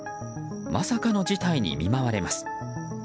まさかの事態に見舞われます。